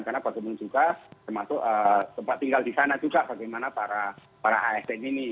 karena bagaimana juga tempat tinggal di sana juga bagaimana para asn ini